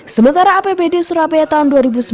sementara apbd surabaya tahun dua ribu sembilan belas